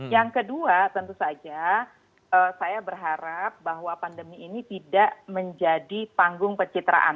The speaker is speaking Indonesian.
yang kedua tentu saja saya berharap bahwa pandemi ini tidak menjadi panggung pencitraan